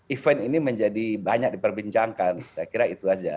event ini menjadi banyak diperbincangkan saya kira itu saja